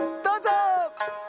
どうぞ。